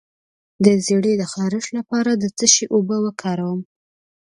د زیړي د خارښ لپاره د څه شي اوبه وکاروم؟